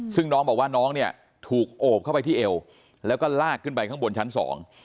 ซึ่งน้องบอกว่าน้องเนี่ยถูกโอบเข้าไปที่เอวแล้วก็ลากขึ้นไปข้างบนชั้นสอง